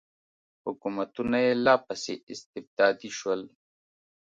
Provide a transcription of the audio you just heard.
حکومتونه یې لا پسې استبدادي شول.